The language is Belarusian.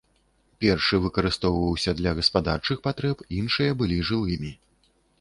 Першы выкарыстоўваўся для гаспадарчых патрэб, іншыя былі жылымі.